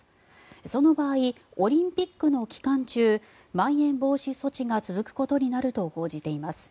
その場合、オリンピックの期間中まん延防止措置が続くことになると報じています。